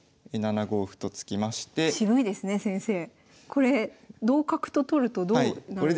これ同角と取るとどうなるんですか？